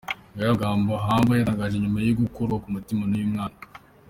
Ngaya amagambo Humble yatangaje nyuma yo gukorwa ku mutima n'uyu mwana.